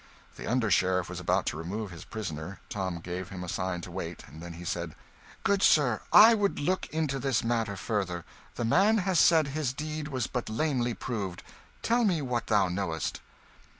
The under sheriff was about to remove his prisoner; Tom gave him a sign to wait; then he said "Good sir, I would look into this matter further. The man has said his deed was but lamely proved. Tell me what thou knowest."